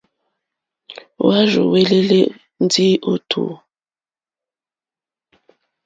Hwá rzúwɛ̀lɛ̀lɛ̀ ndí ó tǔ.